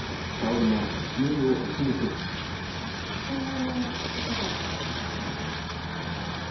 そんなに痛かった？